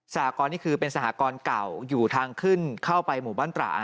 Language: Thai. หกรณ์นี่คือเป็นสหกรเก่าอยู่ทางขึ้นเข้าไปหมู่บ้านตระ